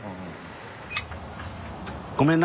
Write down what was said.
ごめんな。